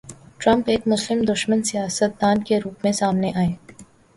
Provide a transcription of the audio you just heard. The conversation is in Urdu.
ٹرمپ ایک مسلم دشمن سیاست دان کے روپ میں سامنے آئے۔